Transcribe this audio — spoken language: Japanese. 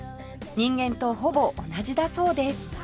人間とほぼ同じだそうです